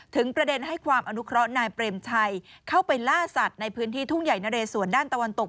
ประเด็นให้ความอนุเคราะห์นายเปรมชัยเข้าไปล่าสัตว์ในพื้นที่ทุ่งใหญ่นะเรสวนด้านตะวันตก